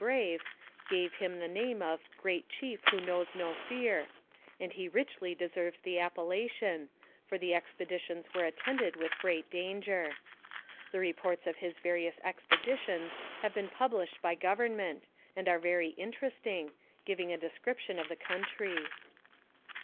Iu3 brave, gave him the name of the " Great Chief, who knows no fear," and he richly deserves the appellation, for the expeditions were attended with great danger. The reports of his various expeditions have been pub lished by Government, and are very interesting, giving a description of the country.